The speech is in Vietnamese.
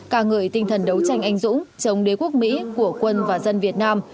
ca ngợi tinh thần đấu tranh anh dũng chống đế quốc mỹ của quân và dân việt nam